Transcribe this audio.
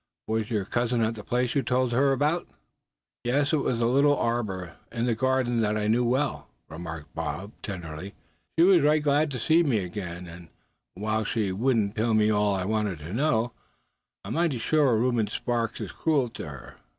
"Was your cousin at the place you told her about?" "Yes, it was a little arbor in the garden that I knew well," remarked Bob, tenderly. "She was right glad to see me again, suh; and while she wouldn't tell me all I wanted to know, I'm mighty sure Reuben Sparks is cruel to her.